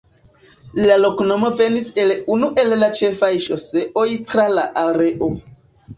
La loknomo venis el unu el la ĉefaj ŝoseoj tra la areo.